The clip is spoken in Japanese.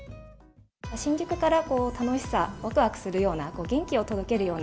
新宿から楽しさ、わくわくするような元気を届けるような、